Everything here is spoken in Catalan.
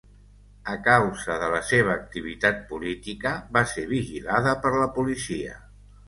A causa de la seva activitat política va ser vigilada per la policia.